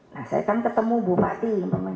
nah saya kan ketemu bupati